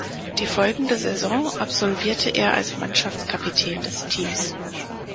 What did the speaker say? Die folgende Saison absolvierte er als Mannschaftskapitän des Teams.